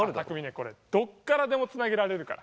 これどっからでもつなげられるから。